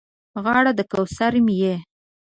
غاړه د کوثر مې یې